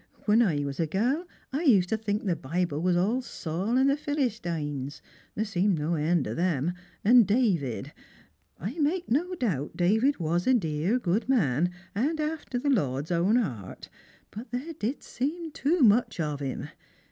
" When I was a gal, I used to think the Bible was all Saul and the Philistings — there seemed no end ot 'em — and David. I make no doubt David was a dear good man, and after the Lord's own heart; but there did seem too much of him.